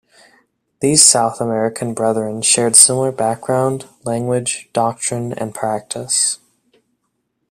These South American brethren shared similar background, language, doctrine, and practice.